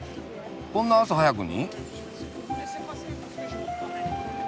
こんな朝早くに？